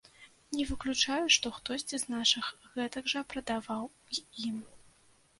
Не выключаю, што хтосьці з нашых гэтак жа прадаваў і ім.